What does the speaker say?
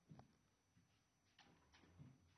Tbilisi markaziga o‘n minglab namoyishchilar to‘plandi